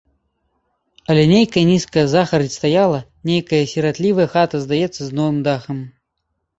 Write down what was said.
Але нейкая нізкая загарадзь стаяла, нейкая сіратлівая хата, здаецца, з новым дахам.